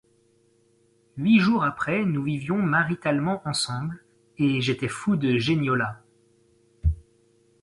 Huit jours après nous vivions maritalement ensemble, et j’étais fou de Geniola.